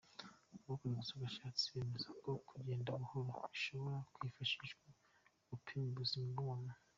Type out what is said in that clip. Abakoze ubushakashatsi bemeza ko kugenda buhoro bishobora kwifashishwa upima ubuzima bw’umuntu.